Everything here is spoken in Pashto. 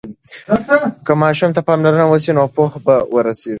که ماشوم ته پاملرنه وسي نو پوهه به ورسيږي.